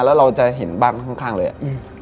แล้วเราจะเห็นบ้านข้างเลยอะ